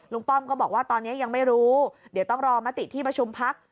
ป้อมก็บอกว่าตอนนี้ยังไม่รู้เดี๋ยวต้องรอมติที่ประชุมพัก